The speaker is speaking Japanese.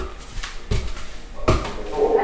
さあ、続いて行きましょう。